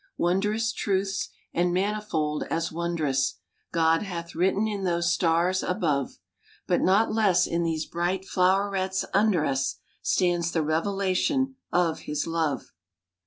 Wondrous truths, and manifold as wondrous, God hath written in those stars above; But not less in these bright flowerets under us, Stands the revelation of His love."